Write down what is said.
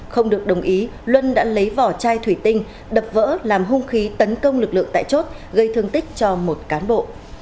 không được đồng ý luân đã lấy vỏ chai thủy tinh đập vỡ làm hung khí tấn công lực lượng tại chốt gây thương tích cho một cán bộ